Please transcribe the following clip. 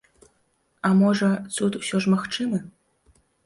А можа, цуд усё ж магчымы?